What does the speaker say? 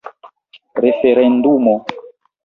referendumo